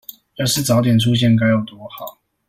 要是早點出現該有多好